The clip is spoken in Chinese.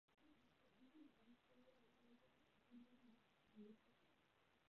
伊凡氏叶螨为叶螨科叶螨属下的一个种。